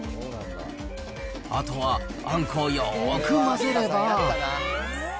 あとはあんこをよーく混ぜれば。